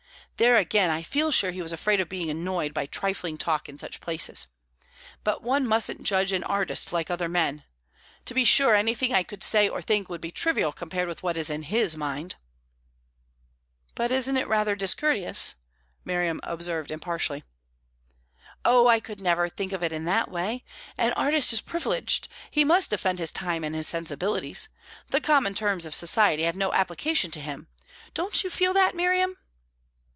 There again, I feel sure he was afraid of being annoyed by trifling talk in such places. But one mustn't judge an artist like other men. To be sure, anything I could say or think would be trivial compared with what is in his mind." "But isn't it rather discourteous?" Miriam observed impartially. "Oh, I could never think of it in that way! An artist is privileged; he must defend his time and his sensibilities. The common terms of society have no application to him. Don't you feel that, Miriam?"